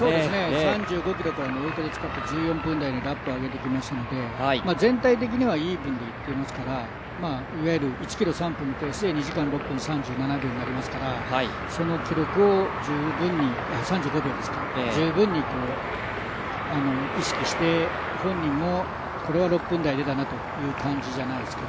３５ｋｍから１４分台にラップを上げてきましたので全体的にはイーブンでいっていますのでいわゆる１ｋｍ３分のペースで２時間６分３５秒になりますからその記録を十分に意識して、本人もこれは６分台出たなという感じじゃないでしょうか。